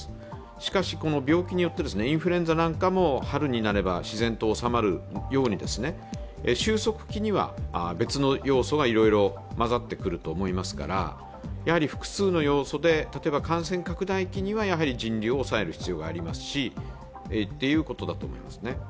しかし、この病気によって、インフルエンザなんかも春になれば自然と収まるように終息期には別の要素がいろいろ混ざってくると思いますから、複数の要素で、例えば感染拡大期にはやはり人流を抑える必要がありますし、ということだと思います。